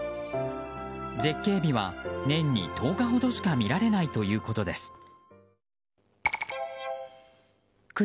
絶景日は年に１０日ほどしか見られないということです。